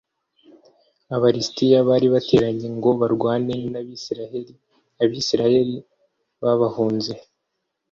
aba lisitiya bari bateranye ngo barwane n abisirayeli abisirayeli babahunze